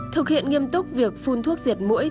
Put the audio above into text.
thực hiện nghiêm túc việc phun thuốc diệt mũi